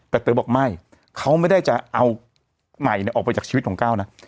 แต่เต๋อบอกไม่เขาไม่ได้จะเอาใหม่ออกไปจากชีวิตของก้าวนะ